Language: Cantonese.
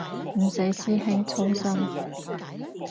唔使師兄操心